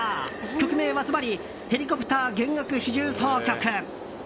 曲名はずばり「ヘリコプター弦楽四重奏曲」。